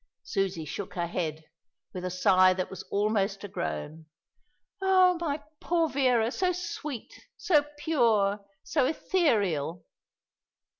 Susie shook her head, with a sigh that was almost a groan. "Oh, my poor Vera, so sweet, so pure, so ethereal."